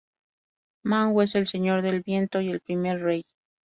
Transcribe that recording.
Manwë es el "Señor del Viento" y el "Primer Rey".